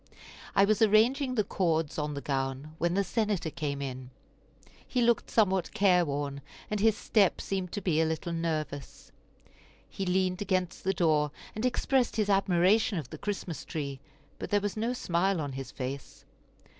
I was arranging the cords on the gown when the Senator came in; he looked somewhat careworn, and his step seemed to be a little nervous. He leaned against the door, and expressed his admiration of the Christmas tree, but there was no smile on his face.